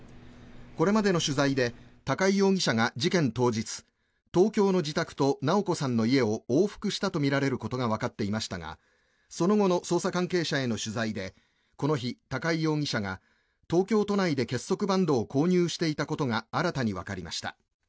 これまでの取材で高井容疑者が事件当日東京の自宅と直子さんの家を往復したとみられることがわかっていましたがその後の捜査関係者への取材でこの日、高井容疑者が東京都内で結束バンドを購入していたことが新たにわかりました。